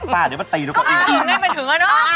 ป้าเดี๋ยวมาตีแล้วก็อีกหนึ่งหรือเปล่าก็ถึงไงมันถึงแล้วเนอะ